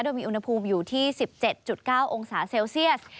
โดยมีอุณหภูมิอยู่ที่๑๗๙องศาเซลเซียส